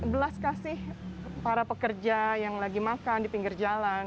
belas kasih para pekerja yang lagi makan di pinggir jalan